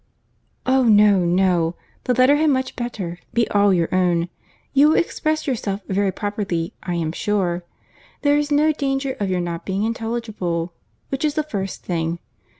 "Oh no, no! the letter had much better be all your own. You will express yourself very properly, I am sure. There is no danger of your not being intelligible, which is the first thing.